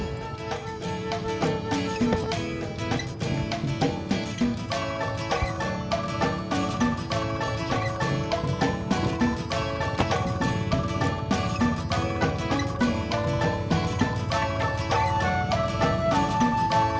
nggak ada masalah